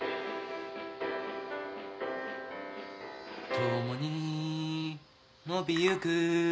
「ともに伸びゆく」